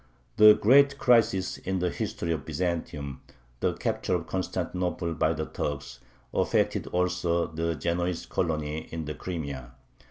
The great crisis in the history of Byzantium the capture of Constantinople by the Turks affected also the Genoese colony in the Crimea.